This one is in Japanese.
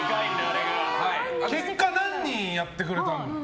結果、何人やってくれたんですか？